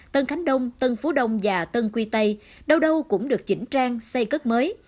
tân khánh đông tân phú đông và tân quy tây đâu đâu cũng được chỉnh trang xây cất mới